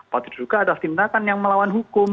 berarti juga ada tindakan yang melawan hukum